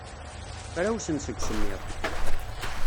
Frawsent seg usemmiḍ.